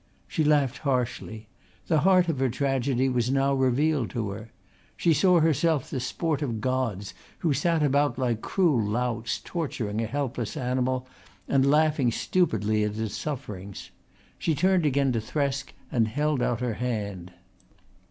She laughed harshly. The heart of her tragedy was now revealed to her. She saw herself the sport of gods who sat about like cruel louts torturing a helpless animal and laughing stupidly at its sufferings. She turned again to Thresk and held out her hand.